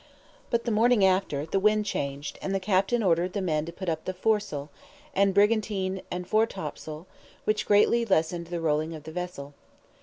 But the morning after, the wind changed, and the captain ordered the men to put up the foresail, and brigantine and foretopsail, which greatly lessened the rolling of the vessel.